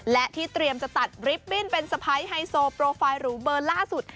และที่เตรียมจะตัดริปบิ้นเป็นสะพ้ายไฮโซโปรไฟล์หรูเบอร์ล่าสุด